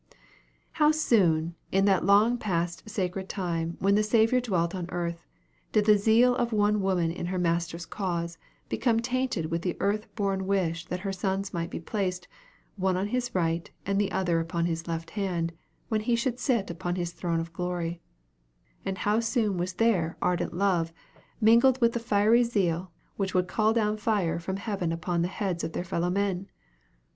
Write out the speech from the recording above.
How soon, in that long past sacred time when the Savior dwelt on earth, did the zeal of one woman in her Master's cause become tainted with the earth born wish that her sons might be placed, the one upon his right and the other upon his left hand, when he should sit upon his throne of glory; and how soon was their ardent love mingled with the fiery zeal which would call down fire from heaven upon the heads of their fellow men!